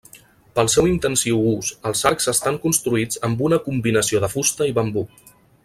Pel seu intensiu ús els arcs estan construïts amb una combinació de fusta i bambú.